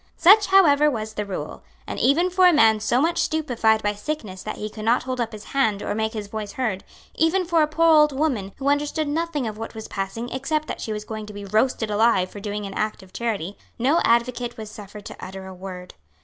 Such however was the rule; and even for a man so much stupefied by sickness that he could not hold up his hand or make his voice heard, even for a poor old woman who understood nothing of what was passing except that she was going to be roasted alive for doing an act of charity, no advocate was suffered to utter a word.